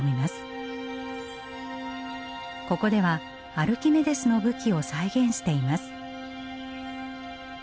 ここではアルキメデスの武器を再現しています。